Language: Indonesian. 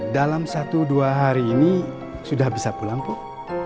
dalam satu dua hari ini sudah bisa pulang kok